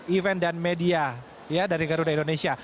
event dan media dari garuda indonesia